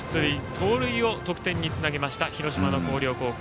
盗塁を得点につなげました広島の広陵高校。